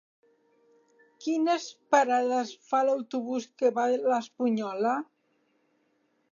Quines parades fa l'autobús que va a l'Espunyola?